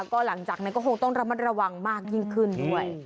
ก็หลังจากนั้นก็คงต้องระมัดระวังมากยิ่งขึ้นด้วย